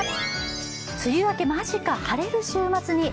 梅雨明け間近、晴れる週末に。